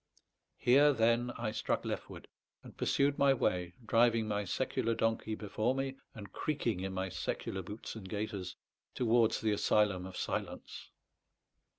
Here, then, I struck leftward, and pursued my way, driving my secular donkey before me, and creaking in my secular boots and gaiters, towards the asylum of silence.